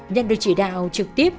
nhận được chỉ đạo trực tiếp